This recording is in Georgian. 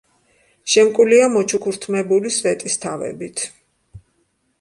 შემკულია მოჩუქურთმებული სვეტისთავებით.